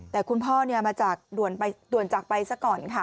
แต่คุณพ่อมาจากด่วนจากไปซะก่อนค่ะ